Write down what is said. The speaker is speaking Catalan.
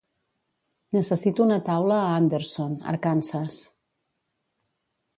Necessito una taula a Anderson, Arkansas